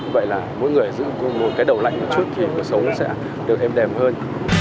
vậy là mỗi người giữ một cái đầu lạnh một chút thì cuộc sống sẽ được êm đềm hơn